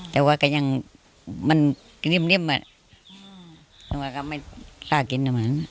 แต่ว่าก็ยังมันริ่มอ่ะแต่ว่าก็ไม่กล้ากินเหมือนกัน